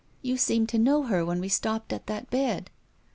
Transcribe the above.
" You seemed to know her when we stopped at that bed."